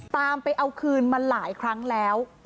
ตามไปเอาคืนมาหลายครั้งแล้ว